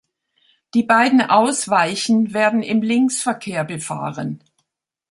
Die beiden Ausweichen werden im Linksverkehr befahren.